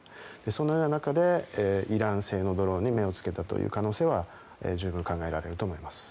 そのような中でイラン製のドローンに目をつけたという可能性は十分考えられると思います。